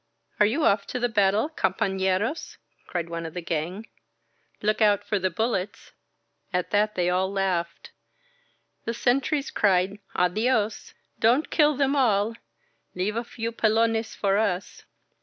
''Are you off to the battle, companeros?'' cried one of the gang. "Look out for the buUets!" At that 809 INSURGENT MEXICO they all laughdd. The sentries cried, Adio8! Don't kill them all ! Leave a few pelones for us